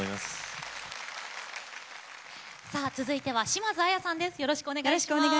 続いては島津亜矢さんです。